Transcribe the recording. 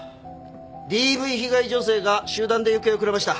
ＤＶ被害女性が集団で行方をくらました。